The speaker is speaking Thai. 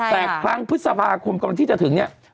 แต่ครั้งพฤษภาคมกำลังจะถึงเนี่ย